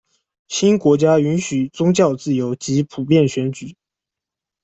新国家允许宗教自由，及普遍选举。